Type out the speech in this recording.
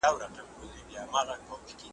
کال په کال مو پسرلی بیرته راتللای .